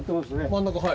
真ん中はい。